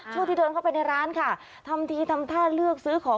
ช่วงที่เดินเข้าไปในร้านค่ะทำทีทำท่าเลือกซื้อของ